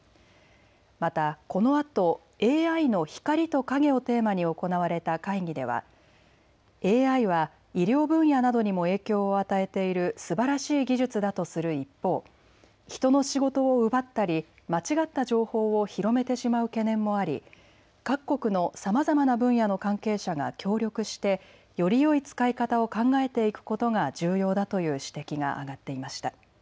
また、このあとＡＩの光と影をテーマに行われた会議ではＡＩは医療分野などにも影響を与えている素晴らしい技術だとする一方、人の仕事を奪ったり間違った情報を広めてしまう懸念もあり各国のさまざまな分野の関係者が協力してよりよい使い方を考えていくことが重要だという指摘が上がっていました。